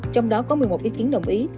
trong đó có một mươi một ý kiến đồng ý